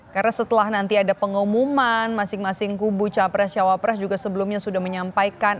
karena setelah nanti ada pengumuman masing masing kubu capres cawapres juga sebelumnya sudah menyampaikan